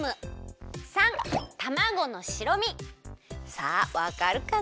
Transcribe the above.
さあわかるかな？